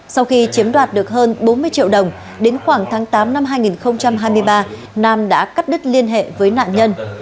sau khi chiếm đoạt được hơn bốn mươi triệu đồng đến khoảng tháng tám năm hai nghìn hai mươi ba nam đã cắt đứt liên hệ với nạn nhân